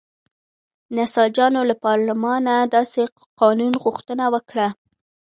نساجانو له پارلمانه داسې قانون غوښتنه وکړه.